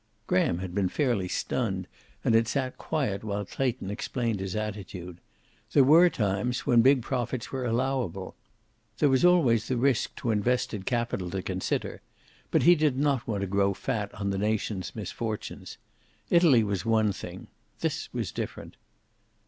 Graham had been fairly stunned, and had sat quiet while Clayton explained his attitude. There were times when big profits were allowable. There was always the risk to invested capital to consider. But he did not want to grow fat on the nation's misfortunes. Italy was one thing. This was different.